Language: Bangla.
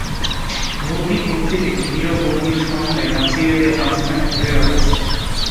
ভৌতিক মূর্তিটি ধীর-গভীর ছন্দে নাচিয়েদের মাঝখানে ঘুরে বেড়াচ্ছে।